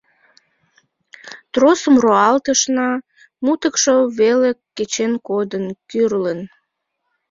Тросым руалтышна — мутыкшо веле кечен кодын, кӱрлын.